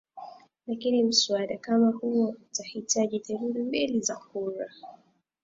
lakini mswada kama huo utahitaji theluthi mbili za kura